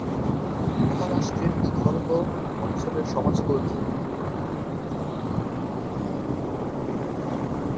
মহারাষ্ট্রের বিদর্ভ অঞ্চলের সমাজকর্মী।